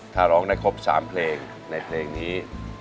ถ้าร้องได้ครบ๓เพลงในเพลงนี้